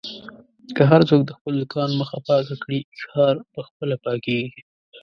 که هر څوک د خپل دوکان مخه پاکه کړي، ښار په خپله پاکېږي.